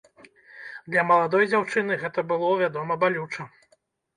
Для маладой дзяўчыны гэта было, вядома, балюча.